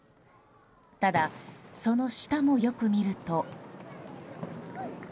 ただ、その下もよく見ると。